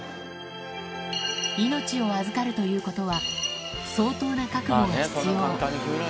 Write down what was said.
命を預かるということは、相当な覚悟が必要。